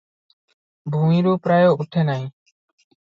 ଭୂଇଁରୁ ପ୍ରାୟ ଉଠେ ନାହିଁ ।